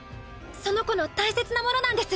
その子の大切なものなんです。